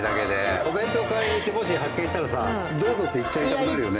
お弁当買いに行ってもし発見したらさ「どうぞ」って言っちゃいたくなるよね。